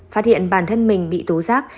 phát hiện bản thân mình bị tố giác